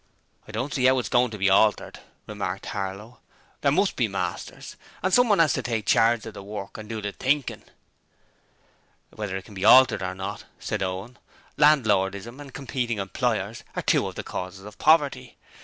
'I don't see 'ow its goin' to be altered,' remarked Harlow. 'There MUST be masters, and SOMEONE 'as to take charge of the work and do the thinkin'.' 'Whether it can be altered or not,' said Owen, 'Landlordism and Competing Employers are two of the causes of poverty.